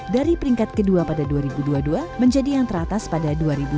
dari peringkat kedua pada dua ribu dua puluh dua menjadi yang teratas pada dua ribu dua puluh